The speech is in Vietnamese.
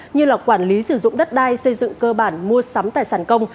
như là quản lý sử dụng đất đai xây dựng cơ bản mua sắm tài sản công